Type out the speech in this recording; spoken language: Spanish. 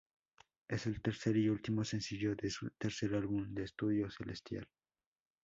Es el tercer y último sencillo de su tercer álbum de estudio, Celestial.